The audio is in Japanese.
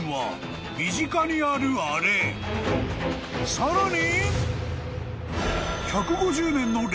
［さらに］